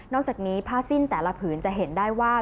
อกจากนี้ผ้าสิ้นแต่ละผืนจะเห็นได้ว่า